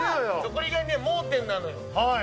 これが盲点なのよ。